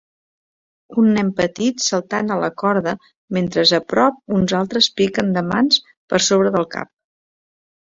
Un nen petit saltant a la corda mentre a prop uns altres piquen de mans per sobre del cap.